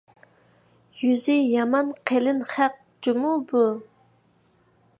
يۈزى يامان قېلىن خەق جۇمۇ بۇ!